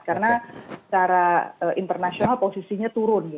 karena secara internasional posisinya turun